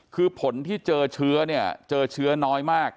คือผลที่เจอเชื้อเนี่ยเจอเชื้อน้อยมาก